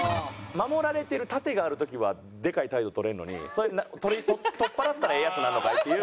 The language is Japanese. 守られてる盾がある時はでかい態度取れるのにそれ取っ払ったらええヤツになんのかいっていう。